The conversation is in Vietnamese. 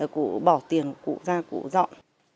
cụ bỏ tiền cụ ra cụ dọn